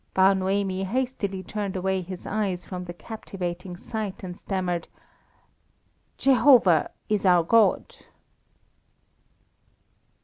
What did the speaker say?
Bar Noemi hastily turned away his eyes from the captivating sight, and stammered: "Jehovah is our God."